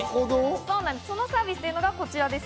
そのサービスというのがこちらです。